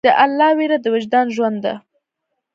د الله ویره د وجدان ژوند ده.